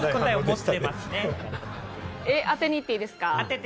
当てにいっていいですか？